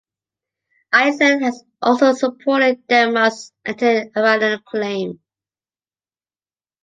Iceland has also supported Denmark's anti-Iranian claim